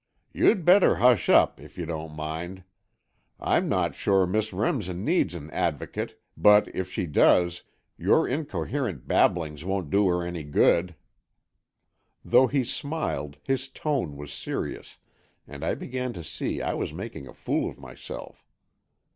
"You'd better hush up, if you don't mind. I'm not sure Miss Remsen needs an advocate, but if she does, your incoherent babblings won't do her any good." Though he smiled, his tone was serious, and I began to see I was making a fool of myself.